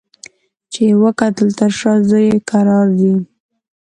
چي یې وکتل تر شا زوی یې کرار ځي